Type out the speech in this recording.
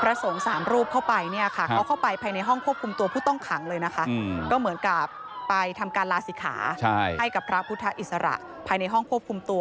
พระสงสามรูปเข้าไปเห็นเข้าไปในห้องควบคุมตัวผู้ต้องขังเลยนะคะ